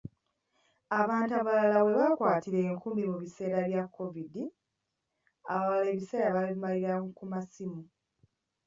Abantu abalala we baakwatira enkumbi mu biseera bya Kovidi, abalala ebiseera baabimalira ku masimu.